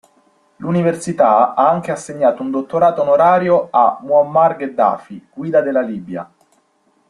L'Università ha anche assegnato un dottorato onorario a Mu'ammar Gheddafi, Guida della Libia.